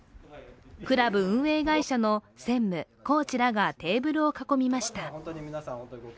クラブ運営会社の専務、コーチらがテーブルを囲みました。